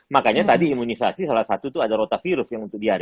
makanya tadi imunisasi salah satu ada rota virus yang untuk diare